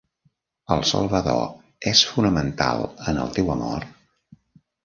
¿El Salvador és fonamental en el teu amor?